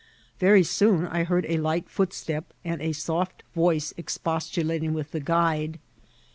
Very soon I heard a light footstep, and a soft voice expostulating with the guide.